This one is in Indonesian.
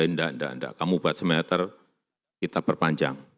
enggak enggak kamu buat smelter kita perpanjang